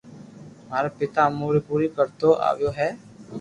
مارو پيتا امو ري پوري ڪرتو آويو ھي